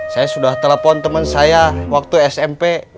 saya sudah telepon teman saya waktu smp